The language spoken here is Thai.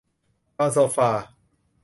นอนโซฟา